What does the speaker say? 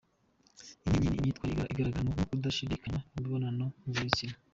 Intinyi ni imyitwarire igaragaramo no kudashimishwa n’imibonano mpuzabitsina.